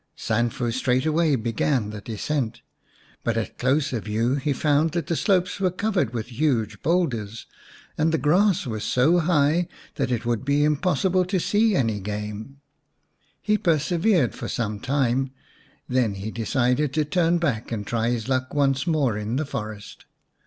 Sanfu straight way began the descent, but at closer view he found that the slopes were covered with huge boulders, and the grass was so high that it would be impossible to see any game. He per severed for some time, then he decided to turn back and try his luck once more in the forest.